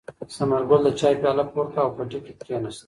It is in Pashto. ثمرګل د چای پیاله پورته کړه او په پټي کې کېناست.